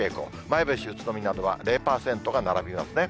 前橋、宇都宮などは０％が並びますね。